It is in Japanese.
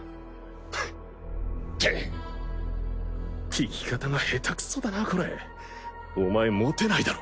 聞き方が下手くそだなコレお前モテないだろ。